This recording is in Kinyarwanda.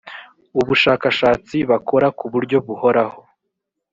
ubushakashatsi bakora ku buryo buhoraho